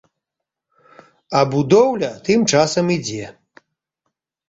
А будоўля тым часам ідзе.